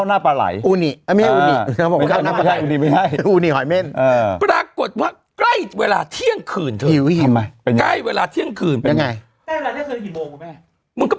ถามได้ยังไงใกล้เวลาเที่ยงคืนมันกี่โมง